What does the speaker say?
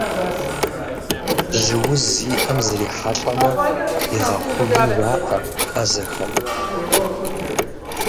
Жьы уз зиӏэм зрихьэлӏэмэ, игъэхъужу жаӏэ ӏэзэхэм.